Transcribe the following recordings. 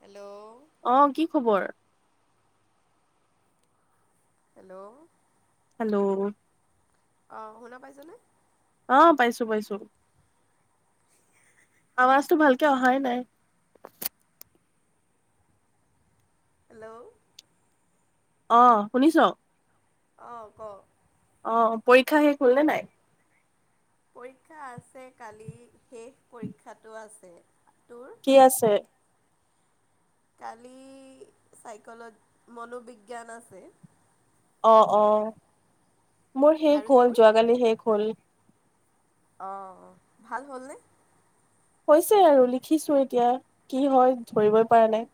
Hello. অ', কি খবৰ? হেল্ল'। হেল্ল'। অ', শুনা পাইছানে? অ', পাইছো পাইছো। আৱাজটো ভালকে অহাই নাই। হেল্ল'। অ' শুনিছ? অ' কও। অ' পৰীক্ষা শেষ হ'লনে নাই? পৰীক্ষা আছে কালি শেষ পৰীক্ষাটো আছে। তোৰ? কি আছে? কালি চাইক মনোবিজ্ঞান আছে। অ' অ' মোৰ শেষ আৰু তোৰ? হ'ল যোৱাকালি শেষ হ'ল। অ' ভাল হ'লনে? হৈছে আৰু লিখিছো এতিয়া কি হয় ধৰিবই পৰা নাই।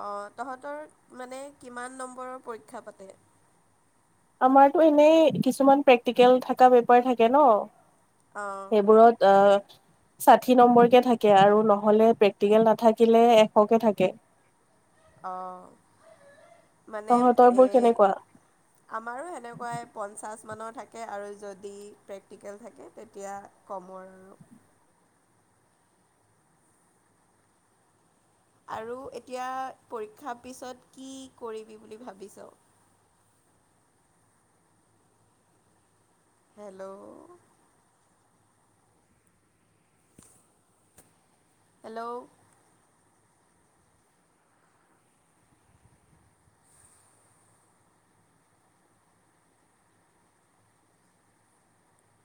অ' তহতৰ মানে কিমান নম্বৰৰ পৰীক্ষা পাতে? আমাৰতো এনেই কিছুমান প্ৰেক্টিকেল থকা পেপাৰ থাকে ন। অঁ সেইবোৰত আহ ষাঠি নম্বৰকে থাকে আৰু নহ'লে প্ৰেক্টিকেল নাথাকিলে এশকে থাকে। আহ। মানে এ তহঁতৰবোৰ কেনেকুৱা আমাৰো সেনেকুৱাই পঞ্চাশ কি মানৰ থাকে আৰু যদি প্ৰেক্টিকেল থাকে তেতিয়া কমৰ। আৰু এতিয়া পৰীক্ষাৰ পিছত কি কৰিবি বুলি ভাবিছ? Hello hello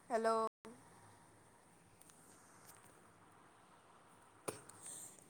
hello